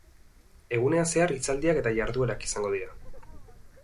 Egunean zehar hitzaldiak eta jarduerak izango dira.